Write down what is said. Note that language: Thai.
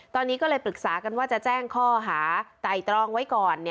ตอนนี้ก็เลยปรึกษากันว่าจะแจ้งข้อหาไต่ตรองไว้ก่อน